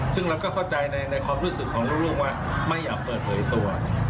ซึ่งเราก็เข้าใจในความรู้สึกของลูกว่าไม่อยากเปิดเผยตัว